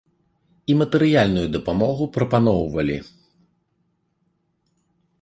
І матэрыяльную дапамогу прапаноўвалі.